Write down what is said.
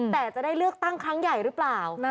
แต่จะได้เลือกตั้งครั้งใหญ่หรือเปล่า